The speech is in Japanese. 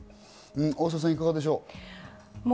大沢さん、いかがでしょう？